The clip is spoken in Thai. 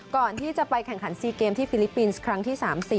ก่อนที่จะไปแข่งขัน๔เกมที่ฟิลิปปินส์ครั้งที่๓๔